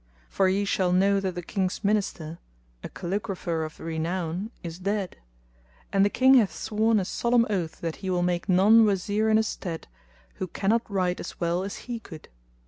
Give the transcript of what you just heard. For ye shall know that the King's Minister, a calligrapher of renown, is dead, and the King hath sworn a solemn oath that he will make none Wazir in his stead who cannot write as well as he could."